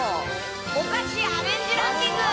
おかしアレンジランキング。